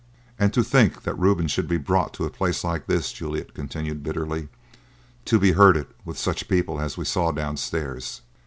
"And to think that Reuben should be brought to a place like this!" Juliet continued bitterly; "to be herded with such people as we saw downstairs!"